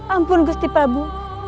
ampun gusti prabu